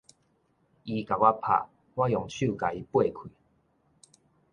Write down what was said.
伊共我拍，我用手共伊掰開